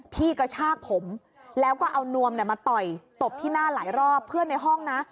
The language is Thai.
กระชากผมแล้วก็เอานวมมาต่อยตบที่หน้าหลายรอบเพื่อนในห้องนะ